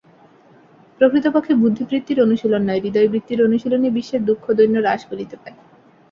প্রকৃতপক্ষে বুদ্ধিবৃত্তির অনুশীলন নয়, হৃদয়বৃত্তির অনুশীলনই বিশ্বের দুঃখ-দৈন্য হ্রাস করিতে পারে।